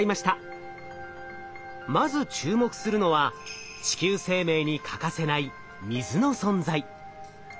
まず注目するのは地球生命に欠かせない水の存在。